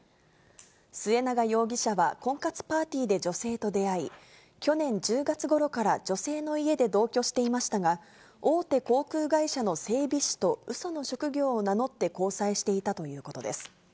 末永容疑者は婚活パーティーで女性と出会い、去年１０月ごろから女性の家で同居していましたが、大手航空会社の整備士とうその職業を名乗って交際していたということです。